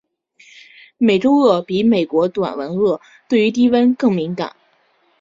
美洲鳄比美国短吻鳄对于低温更敏感。